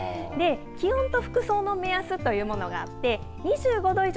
気温と服装の目安というものがあって２５度以上。